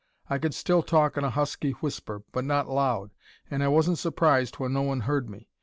I could still talk in a husky whisper, but not loud, and I wasn't surprised when no one heard me.